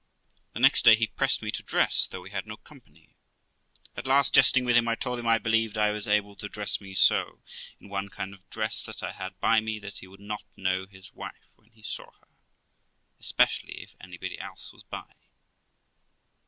The next day he pressed me to dress, though we had no company. At last, jesting with him, I told him I believed I was able to dress me so, in one kind of dress that I had by me, that he would not know his wife when he saw her, especially if anybody else was by.